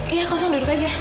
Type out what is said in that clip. iya kosong duduk aja